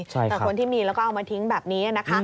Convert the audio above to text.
แต่คนที่มีแล้วก็เอามาทิ้งแบบนี้นะคะ